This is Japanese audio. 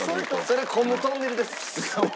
それトンネルです。